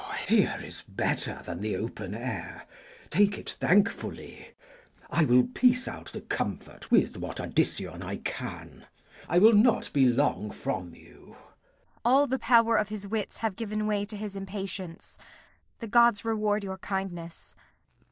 Glou. Here is better than the open air; take it thankfully. I will piece out the comfort with what addition I can. I will not be long from you. Kent. All the power of his wits have given way to his impatience. The gods reward your kindness!